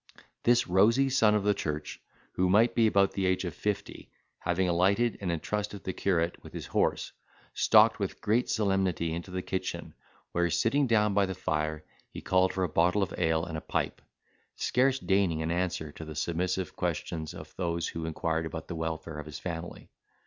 This rosy son of the church, who might be about the age of fifty, having alighted and entrusted the curate with his horse, stalked with great solemnity, into the kitchen, where sitting down by the fire, he called for a bottle of ale and a pipe; scarce deigning an answer to the submissive questions of those who inquired about the welfare of his family.